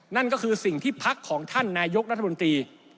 นั่นก็คือสิ่งที่พักของท่านนายกรัฐมนตรี